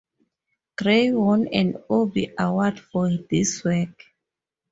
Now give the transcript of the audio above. Gray won an Obie award for this work.